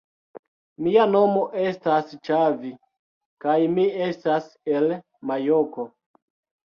Mia nomo estas Ĉavi kaj mi estas el majoko